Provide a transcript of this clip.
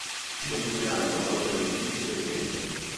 Non si hanno altre notizie in merito.